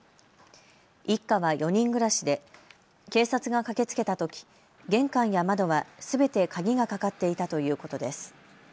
一家は４人暮らしで警察が駆けつけたとき玄関や窓はすべて鍵がかかっていたということです。